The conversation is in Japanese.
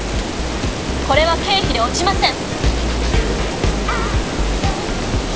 これは経費で落ちません！